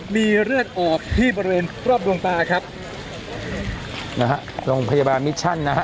มีเลือดออกที่บริเวณรอบดวงตาครับนะฮะโรงพยาบาลมิชชั่นนะฮะ